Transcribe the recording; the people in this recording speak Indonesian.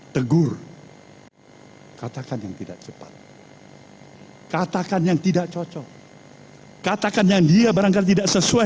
tegur katakan yang tidak cepat katakan yang tidak cocok katakan yang dia barangkali tidak sesuai